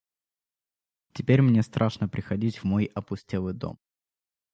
Теперь мне страшно приходить в мой опустелый дом.